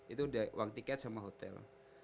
itu udah uang tiket sama hotel